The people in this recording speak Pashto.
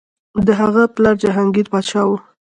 د هغه پلار جهانګیر پادشاه و.